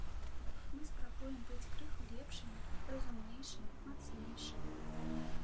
Мы спрабуем быць крыху лепшымі, разумнейшымі, мацнейшымі.